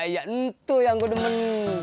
itu yang gua demen